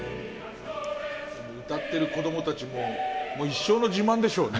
歌っている子供たちも一生の自慢でしょうね。